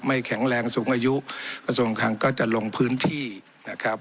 แข็งแรงสูงอายุกระทรวงคลังก็จะลงพื้นที่นะครับ